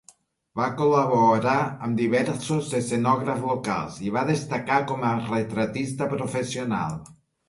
Va col·laborar amb diversos escenògrafs locals i va destacar com a retratista professional.